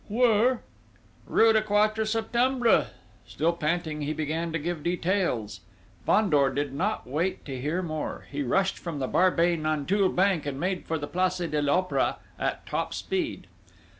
"Where?" "Rue du Quatre Septembre!..." Still panting, he began to give details.... Fandor did not wait to hear more. He rushed from the Barbey Nanteuil bank and made for the place de l'Opéra at top speed.